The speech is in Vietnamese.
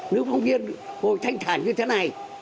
nếu phóng viên ngồi thanh thản như thế này